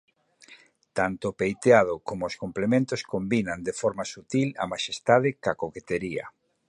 Tanto o peiteado como os complementos combinan de forma sutil a maxestade ca coquetería.